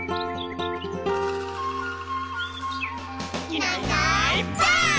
「いないいないばあっ！」